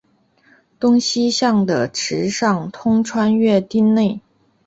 东西向的池上通穿越町内。